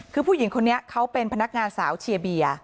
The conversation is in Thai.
คือผู้หญิงคนนี้เขาเป็นพนักงานสาวเชียร์เบียร์